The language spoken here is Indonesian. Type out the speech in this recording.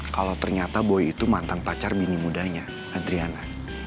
kalau ternyata boy itu mantan pacar bini mudanya adriana